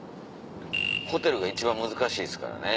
ホテルが一番難しいですからね。